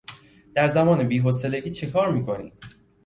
در زمان بی حوصلگی چه کار میکنی؟